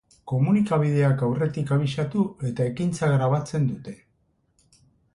Komunikabideak aurretik abisatu eta ekintza grabatzen dute.